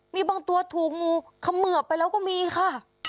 มีบางตัวถูกงูเขมือบไปแล้วก็มีค่ะ